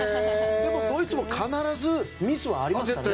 でもドイツも必ずミスがありますからね。